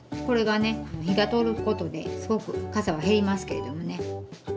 これがね火が通ることですごくかさは減りますけれどもね。